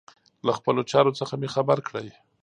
له خپلو چارو څخه مي خبر کړئ.